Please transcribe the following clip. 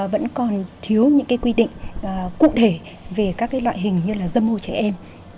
vẫn còn thiếu những cái quy định cụ thể về các cái loại hình như là dâm hô trẻ em